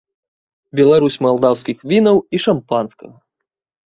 Беларусь малдаўскіх вінаў і шампанскага.